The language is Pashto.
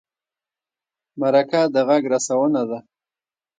مرکه د غږ رسونه ده.